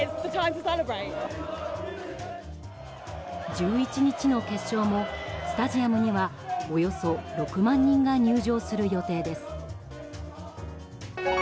１１日の決勝もスタジアムにはおよそ６万人が入場する予定です。